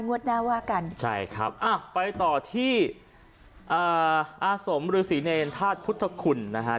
งวดหน้าว่ากันใช่ครับอ่ะไปต่อที่อ่าอาสมฤษีเนรธาตุพุทธคุณนะฮะ